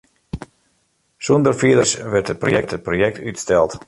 Sûnder fierdere útlis wurdt it projekt útsteld.